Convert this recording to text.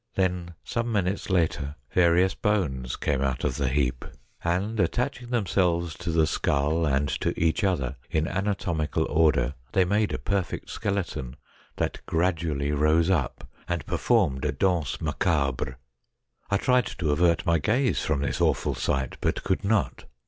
Then some minutes later various bones came out of the heap, and attach 198 STORIES WEIRD AND WONDERFUL ing themselves to the skull and to each other in anatomical order, they made a perfect skeleton, that gradually rose up and performed a dance Macabre. I tried to avert my gaze from this awful sight, but could not.